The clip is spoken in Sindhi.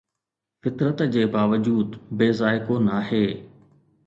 فطرت جي باوجود بي ذائقو ناهي